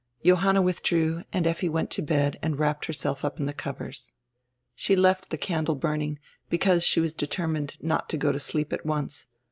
Johanna withdrew, and Effi went to bed and wrapped herself up in tire covers. She left tire candle burning, because she was determined not to go to sleep at once.